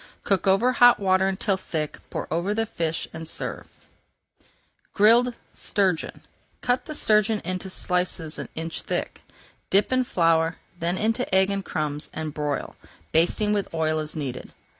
Cook over hot water until thick, pour over the fish, and serve. [Page 409] GRILLED STURGEON Cut the sturgeon into slices an inch thick. Dip in flour, then into egg and crumbs, and broil, basting with oil as needed.